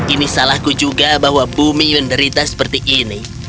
ini salahku juga bahwa bumi menderita seperti ini